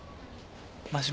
真島。